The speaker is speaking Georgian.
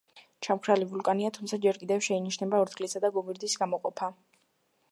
ჩამქრალი ვულკანია, თუმცა ჯერ კიდევ შეინიშნება ორთქლისა და გოგირდის გამოყოფა.